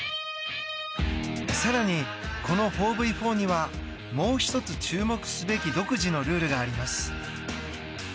更に、この４ｖ４にはもう１つ注目すべき独自のルールがあります。